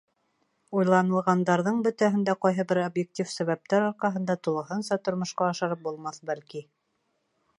Уйланылғандарҙың бөтәһен дә ҡайһы бер объектив сәбәптәр арҡаһында тулыһынса тормошҡа ашырып булмаҫ, бәлки.